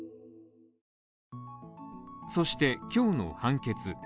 そして今日の判決。